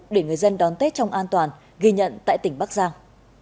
dân đón tết trong an toàn ghi nhận tại tỉnh bắc giang